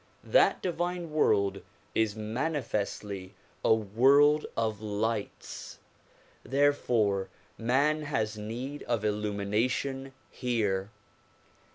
That divine world is manifestly a world of lights; therefore man has need of illumination here.